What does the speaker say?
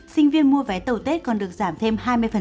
sinh viên mua vé tàu tết còn được giảm thêm hai mươi